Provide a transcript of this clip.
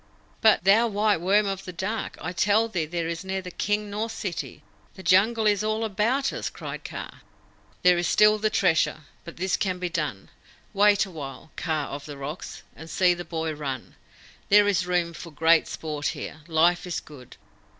"But, thou white worm of the dark, I tell thee there is neither king nor city! The Jungle is all about us!" cried Kaa. "There is still the Treasure. But this can be done. Wait awhile, Kaa of the Rocks, and see the boy run. There is room for great sport here. Life is good.